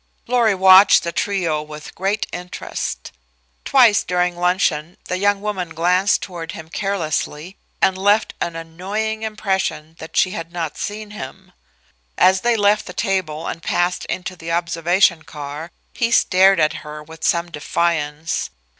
Lorry watched the trio with great interest. Twice during luncheon the young woman glanced toward him carelessly and left an annoying impression that she had not seen him. As they left the table and passed into the observation car, he stared at her with some defiance.